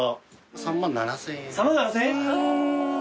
３万７，０００円？